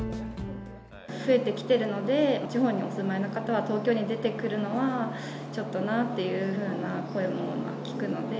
増えてきてるので、地方にお住まいの方は東京に出てくるのは、ちょっとなというふうな声も聞くので。